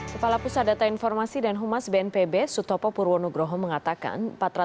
kepala pusat data informasi dan humas bnpb sutopo purwonugroho mengatakan